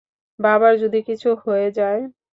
বাবার যদি কিছু হয় যায়?